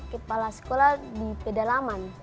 kepala sekolah di pedalaman